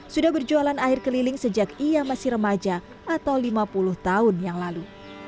sudah berjualan air keliling sejak ia masih remaja atau lima puluh tahun yang lalu